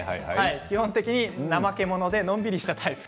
基本的にナマケモノでのんびりしたタイプ。